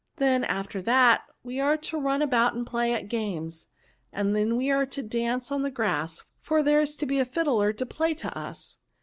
Then, after that, we are to run about and play at games ; and then we are to dance on the grass, for there is to be a fiddler to play to us.